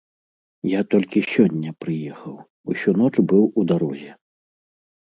Я толькі сёння прыехаў, усю ноч быў у дарозе.